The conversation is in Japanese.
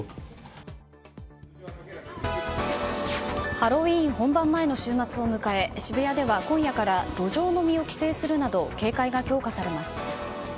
ハロウィーン本番前の週末を迎え渋谷では今夜から路上飲みを規制するなど警戒が強化されます。